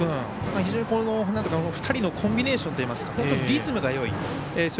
非常に、２人のコンビネーションといいますか、本当にリズムがいい。